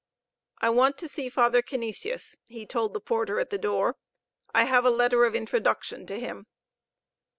"I want to see Father Canisius," he told the porter at the door. "I have a letter of introduction to him."